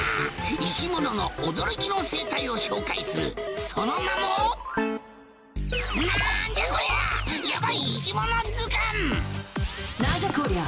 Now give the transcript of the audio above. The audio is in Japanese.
生き物の驚きの生態を紹介するその名もなんじゃこりゃ？